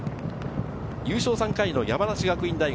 優勝３回の山梨学院大学。